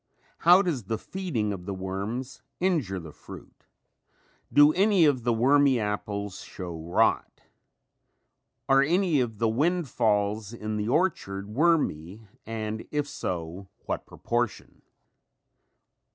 How does the feeding of the worms injure the fruit? Do any of the wormy apples show rot? Are any of the windfalls in the orchard wormy and if so what proportion?